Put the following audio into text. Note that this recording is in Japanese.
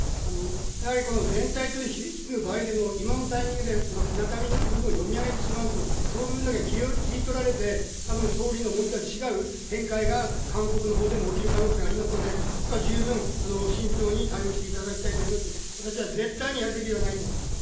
やはりこの全体として引き継ぐ場合でも、今のタイミングで中身の部分を読み上げてしまうと、その分だけ切り取られて、たぶん、総理の思いとは違う展開が韓国のほうでも起きる可能性がありますので、そこは十分、慎重に対応していただきたいと思いますし、私は絶対にやるべきではないと思っています。